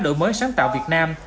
đổi mới sáng tạo việt nam